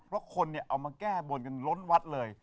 เพราะคนเอามาแก้บนกันล้นวัดเลย